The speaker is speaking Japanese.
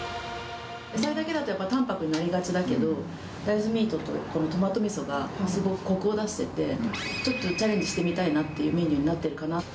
野菜だけだと淡白になりがちだけど、大豆ミートとこのトマトみそが、すごいこくを出してて、ちょっとチャレンジしてみたいなってメニューになってるかな。